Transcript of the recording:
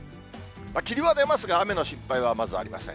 霧は出ますが、雨の心配はまずありません。